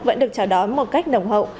vẫn được chào đón một cách đồng hậu